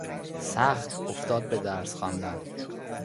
سخت افتاد به درس خواندن.